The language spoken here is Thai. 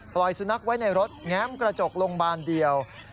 ปล่อยสุนัขไว้ในรถแง้มกระจกลงบานเดียว